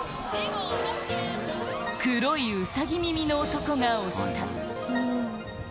黒いウサギ耳の男が押した。